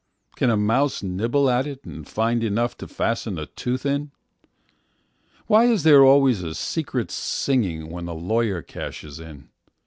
Can a mouse nibble at itAnd find enough to fasten a tooth in? Why is there always a secret singingWhen a lawyer cashes in?